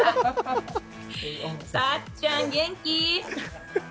さっちゃん、元気？